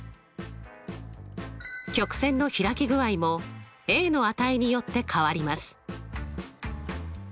曲線の開き具合もの値によって変わります。